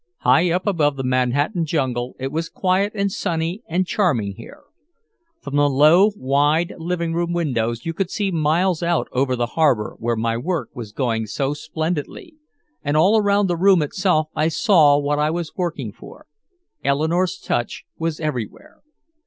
High up above the Manhattan jungle, it was quiet and sunny and charming here. From the low, wide living room windows you could see miles out over the harbor where my work was going so splendidly, and all around the room itself I saw what I was working for. Eleanore's touch was everywhere.